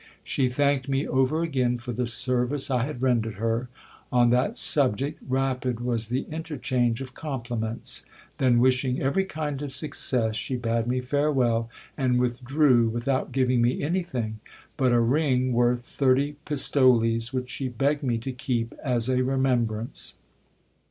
She thanked me over again for the service I had rendered her. On that subject, rapid was the interchange of compliments. Then, wishing every kind of success, she bade me farewell, and withdrew, without giving me anything but a ring worth thirty pistoles, which she begged me to keep as a remembrance.